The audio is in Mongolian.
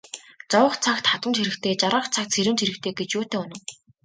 Зовох цагт хатамж хэрэгтэй, жаргах цагт сэрэмж хэрэгтэй гэж юутай үнэн.